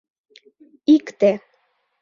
Икте.